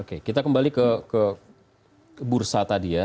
oke kita kembali ke bursa tadi ya